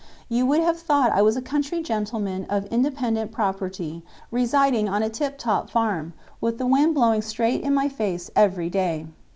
you would have thought I was a country gentleman of independent property residing on a tip top farm, with the wind blowing straight in my face every day."